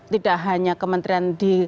tidak hanya kementrian di